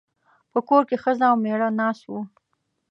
په کور کې ښځه او مېړه ناست وو.